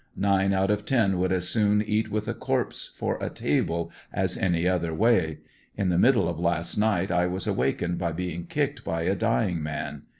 Nine out of ten would as soon eat with a corpse for a table as any other way . In the middle of last night I was awakened by being kicked by a dying man.